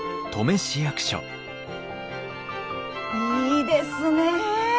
いいですねえ。